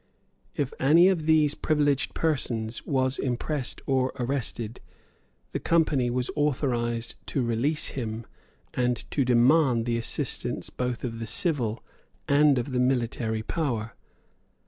If any of these privileged persons was impressed or arrested, the Company was authorised to release him, and to demand the assistance both of the civil and of the military power.